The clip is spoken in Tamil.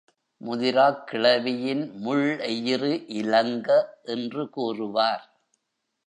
முதிராக் கிளவியின் முள்எயிறு இலங்க என்று கூறுவார்.